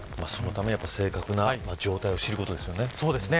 そのためにはやっぱり正確な状態を知ることですよね。